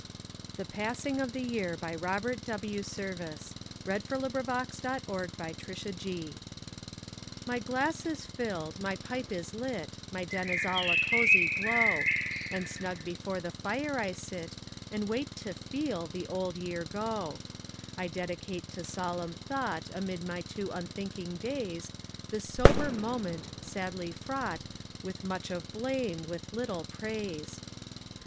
to Kingdom Come, And who went the pace in England long ago. The Passing of the Year My glass is filled, my pipe is lit, My den is all a cosy glow; And snug before the fire I sit, And wait to FEEL the old year go. I dedicate to solemn thought Amid my too unthinking days, This sober moment, sadly fraught With much of blame, with little praise.